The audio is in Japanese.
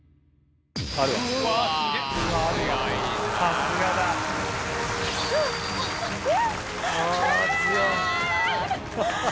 さすがだ。え！